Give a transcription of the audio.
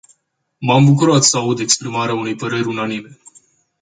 M-am bucurat să aud exprimarea unei păreri unanime.